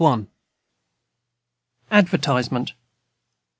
Y. ADVERTISEMENT.